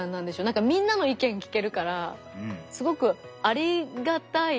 なんかみんなの意見聞けるからすごくありがたいですね。